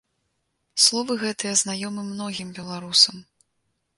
Словы гэтыя знаёмы многім беларусам.